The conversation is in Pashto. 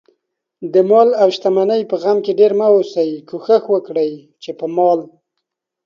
دمال اوشتمنۍ په غم کې ډېر مه اوسئ، کوښښ وکړئ، چې په مال